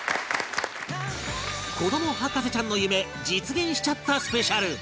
子ども博士ちゃんの夢実現しちゃったスペシャル